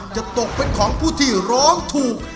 จะตกเป็นของผู้ที่ร้องถูก